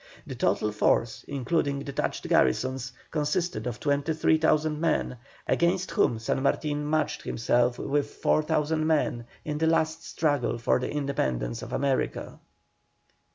The total force, including detached garrisons, consisted of 23,000 men, against whom San Martin matched himself with 4,000 men in the last struggle for the independence of America.